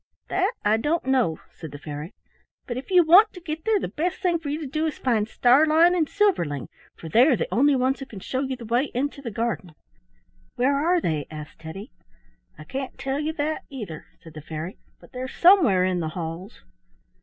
"That I don't know," said the fairy, "but if you want to get there the best thing for you to do is find Starlein and Silverling, for they are the only ones who can show you the way into the garden." "Where are they?" asked Teddy. "I can't tell you that, either," said the fairy, "but they're somewhere in the halls."